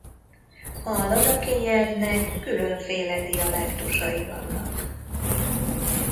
A ladakhi nyelvnek különféle dialektusai vannak.